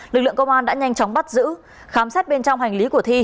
lực lượng công an đã nhanh chóng bắt giữ khám xét bên trong hành lý của thi